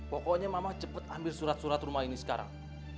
pokoknya mama cepat ambil surat surat rumah ini sekarang